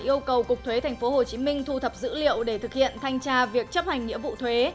yêu cầu cục thuế tp hcm thu thập dữ liệu để thực hiện thanh tra việc chấp hành nghĩa vụ thuế